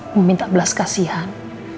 meminta belas kasihan